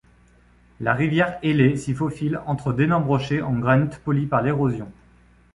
La rivière Ellé s'y faufile entre d'énormes rochers en granite polis par l'érosion.